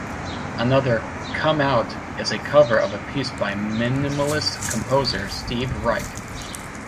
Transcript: Another, "Come Out", is a cover of a piece by minimalist composer Steve Reich.